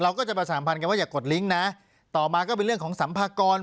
ก็จะประสานพันธ์กันว่าอย่ากดลิงค์นะต่อมาก็เป็นเรื่องของสัมภากร